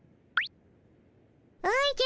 おじゃ